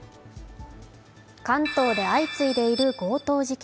関東で相次いでいる強盗事件。